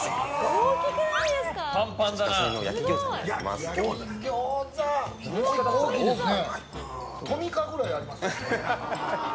大きいですね。